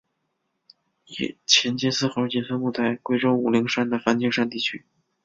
黔金丝猴仅分布在贵州武陵山的梵净山地区。